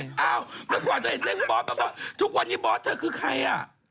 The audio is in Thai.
เมื่อกว่าจะเห็นเล่นของบอสทุกวันนี้บอสเธอคือใครอ่ะ